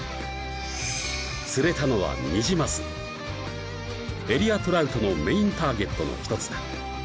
釣れたのはエリアトラウトのメインターゲットの１つだ